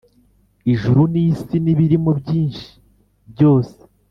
Ijuru n’isi n’ibirimo byinshi byose